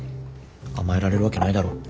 甘えられるわけないだろ。